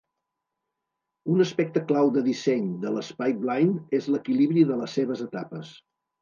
Un aspecte clau de disseny de les pipeline és l'equilibri de les seves etapes.